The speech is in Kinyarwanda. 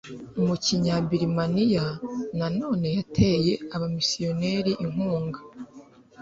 mu kinyabirimaniya nanone yateye abamisiyoneri inkunga